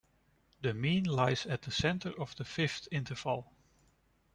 The mean lies at the centre of the fifth interval.